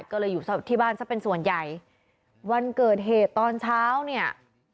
ก็เลยอยู่ที่บ้านซะเป็นส่วนใหญ่วันเกิดเหตุตอนเช้าเนี่ย